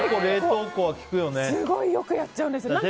すごいよくやっちゃうんです。